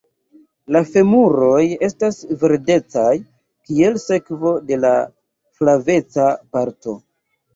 La femuroj estas verdecaj kiel sekvo de la flaveca parto.